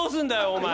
お前。